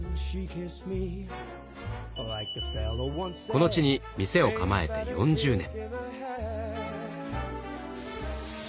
この地に店を構えて４０年。